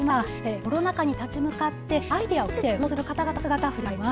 コロナ禍に立ち向かってアイデアを駆使して奮闘する方々の姿、振り返ります。